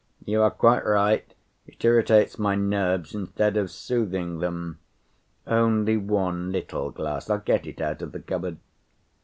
"You are quite right, it irritates my nerves instead of soothing them. Only one little glass. I'll get it out of the cupboard."